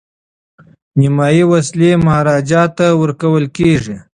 نیمایي وسلې مهاراجا ته ورکول کیږي.